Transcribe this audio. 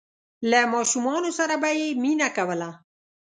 له ماشومانو سره به یې مینه کوله.